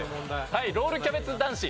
はいロールキャベツ男子。